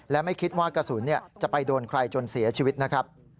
และไม่คิดว่ากระสุนจะไปโดนใครจนเสียชีวิตนะครับ